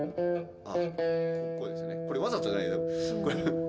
これわざとじゃないよ。